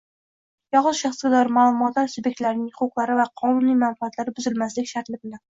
yoxud shaxsga doir ma’lumotlar subyektlarining huquqlari va qonuniy manfaatlari buzilmasligi sharti bilan